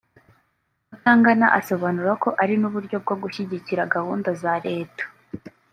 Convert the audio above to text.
Mutangana asobanura ko ari n’uburyo bwo gushyigikira gahunda za leta